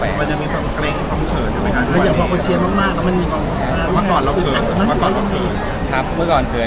มีมีมีมีมีมีมีมีมีมีมีมี